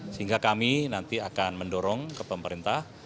sehingga kami nanti akan mendorong ke pemerintah